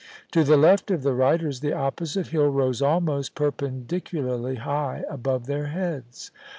To the left of the riders, the opposite hill rose almost perpendicularly high above their heads.